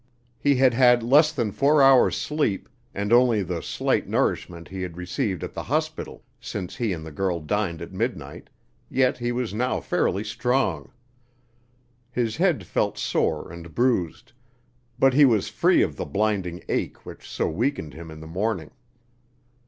He had had less than four hours' sleep and only the slight nourishment he had received at the hospital since he and the girl dined at midnight, yet he was now fairly strong. His head felt sore and bruised, but he was free of the blinding ache which so weakened him in the morning.